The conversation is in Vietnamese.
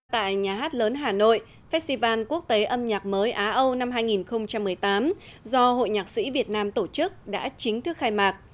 tại nhà hát lớn hà nội festival quốc tế âm nhạc mới á âu năm hai nghìn một mươi tám do hội nhạc sĩ việt nam tổ chức đã chính thức khai mạc